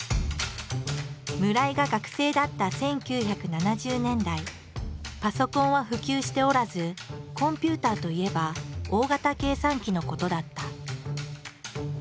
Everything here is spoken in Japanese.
村井が学生だった１９７０年代パソコンは普及しておらずコンピューターといえば大型計算機のことだった。